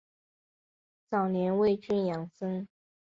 早年为郡庠生。